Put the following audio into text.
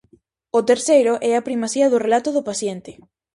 O terceiro é a primacía do relato do paciente.